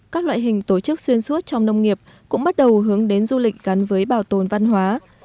các loại hình tổ chức xuyên suốt trong nông nghiệp cũng bắt đầu hướng đến du lịch gắn với bảo tồn văn hóa